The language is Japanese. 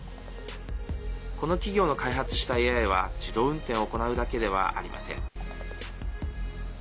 この企業の開発したＡＩは自動運転を行うだけではありません。